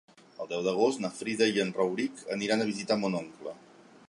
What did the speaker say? El deu d'agost na Frida i en Rauric aniran a visitar mon oncle.